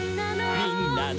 「みんなの」